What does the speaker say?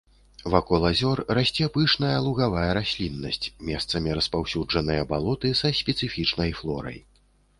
Вакол азёр расце пышная лугавая расліннасць, месцамі распаўсюджаныя балоты са спецыфічнай флорай.